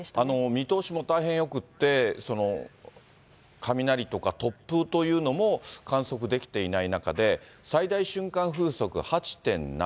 見通しも大変よくって、雷とか突風というのも、観測できていない中で、最大瞬間風速８．７。